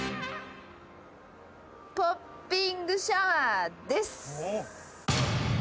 ポッピングシャワーです。